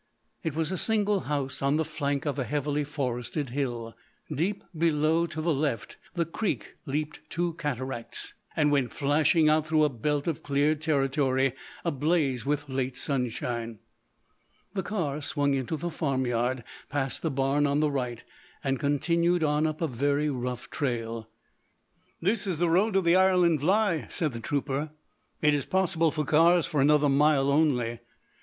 It was a single house on the flank of a heavily forested hill. Deep below to the left the creek leaped two cataracts and went flashing out through a belt of cleared territory ablaze with late sunshine. The car swung into the farm yard, past the barn on the right, and continued on up a very rough trail. "This is the road to the Ireland Vlaie," said the trooper. "It is possible for cars for another mile only."